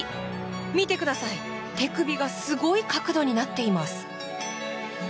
見てください、手首がすごい角度になっています。